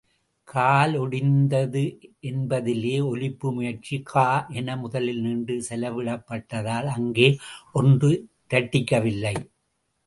காலொடிந்தது என்பதிலே, ஒலிப்பு முயற்சி கா என முதலில் நீண்டு செலவிடப்பட்டதால், அங்கே ஒன்று இரட்டிக்கவில்லை.